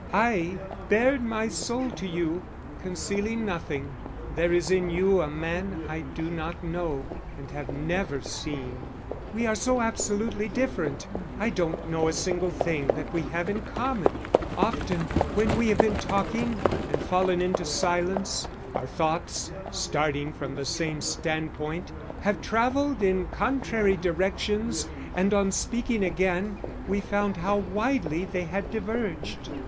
I bared my soul to you, concealing nothing there is in you a man I do not know and have never seen. We are so absolutely different, I don't know a single thing that we have in common; often when we have been talking and fallen into silence, our thoughts, starting from the same standpoint, have travelled in contrary directions, and on speaking again, we found how widely they had diverged.